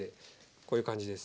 こういう感じです。